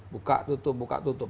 buka tutup buka tutup